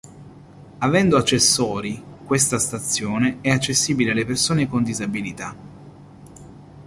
Avendo ascensori questa stazione è accessibile alle persone con disabilità.